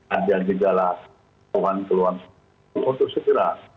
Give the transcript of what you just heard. ada gejala keluhan keluhan untuk segera